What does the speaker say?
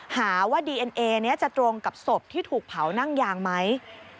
หาว่าดีเอ็นเอนี้จะตรงกับศพที่ถูกเผานั่งยางไหม